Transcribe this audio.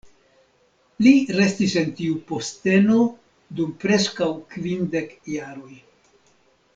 Li restis en tiu posteno dum preskaŭ kvindek jaroj.